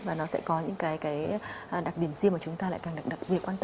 và nó sẽ có những cái đặc điểm riêng mà chúng ta lại càng đặc biệt quan tâm đúng không ạ